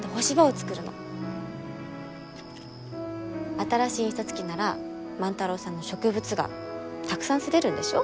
新しい印刷機なら万太郎さんの植物画たくさん刷れるんでしょ？